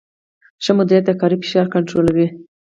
ښه مدیریت د کاري فشار کنټرولوي.